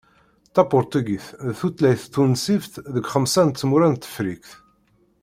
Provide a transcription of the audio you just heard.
Tapurtugit d tutlayt tunṣibt deg xemsa n tmura n Tefriqt.